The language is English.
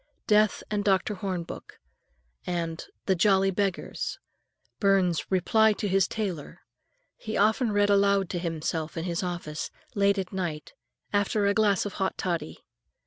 "Death and Dr. Hornbook" and "The Jolly Beggars," Burns's "Reply to his Tailor," he often read aloud to himself in his office, late at night, after a glass of hot toddy.